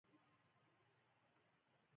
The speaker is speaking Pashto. نفت د افغانانو د ګټورتیا برخه ده.